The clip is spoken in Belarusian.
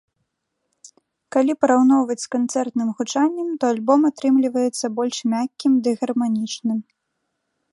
Калі параўноўваць з канцэртным гучаннем, то альбом атрымліваецца больш мяккім ды гарманічным.